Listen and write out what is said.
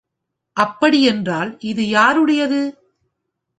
அப்படியென்றால் இது யாருடையது?